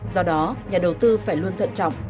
do đó nhà đầu tư phải luôn thận trọng